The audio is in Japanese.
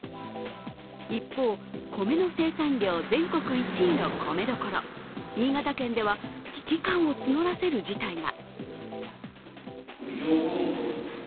一方、米の生産量全国１位の米どころ、新潟県では、危機感を募らせる事態が。